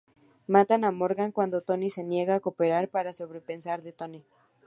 Matan a Morgan cuando Tony se niega a cooperar, para sorpresa de Tony.